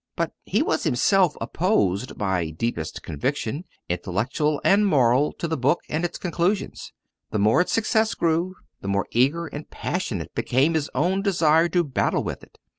But he was himself opposed by deepest conviction, intellectual and moral, to the book and its conclusions. The more its success grew, the more eager and passionate became his own desire to battle with it.